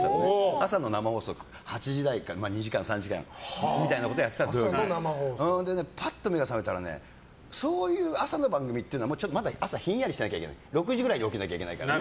朝の生放送、８時台から２時間３時間みたいなことをやってたんだけどパッと目が覚めたらそういう朝の番組ってひんやりした時間帯の６時くらいに起きなきゃいけないからね。